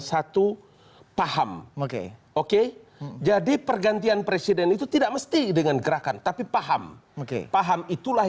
satu paham oke oke jadi pergantian presiden itu tidak mesti dengan gerakan tapi paham oke paham itulah